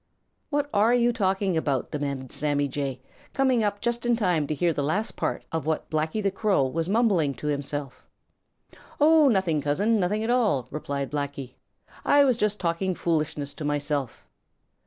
"What are you talking about?" demanded Sammy Jay, coming up just in time to hear the last part of what Blacky the Crow was mumbling to himself. "Oh nothing, Cousin, nothing at all," replied Blacky. "I was just talking foolishness to myself."